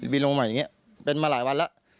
บินลงมาอย่างนี้เป็นมาหลายวันแล้ว